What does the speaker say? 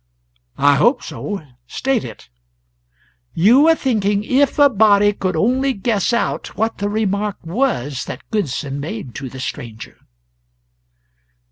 "I hope so. State it." "You were thinking, if a body could only guess out what the remark was that Goodson made to the stranger."